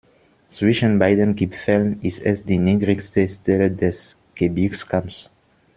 Zwischen beiden Gipfeln ist es die niedrigste Stelle des Gebirgskamms.